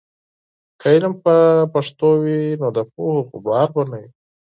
که علم په پښتو وي، نو د پوهې غبار به نه وي.